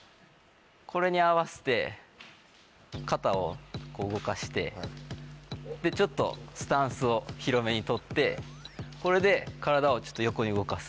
これに合わせて肩をこう動かしてちょっとスタンスを広めに取ってこれで体を横に動かす。